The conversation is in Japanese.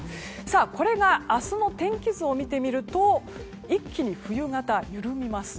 これが、明日の天気図を見てみると一気に冬型が緩みます。